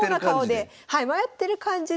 迷ってる感じで。